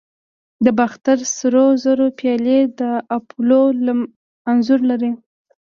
د باختر سرو زرو پیالې د اپولو انځور لري